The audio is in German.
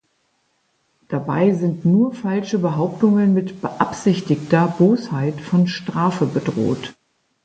Dabei sind nur falsche Behauptungen mit beabsichtigter Bosheit von Strafe bedroht.